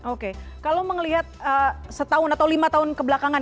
oke kalau melihat setahun atau lima tahun kebelakangan